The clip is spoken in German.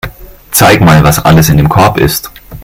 Zeig mal, was alles in dem Korb ist.